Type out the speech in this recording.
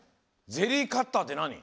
ゼリーカッターってなに？